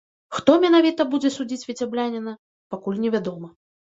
Хто менавіта будзе судзіць віцябляніна, пакуль невядома.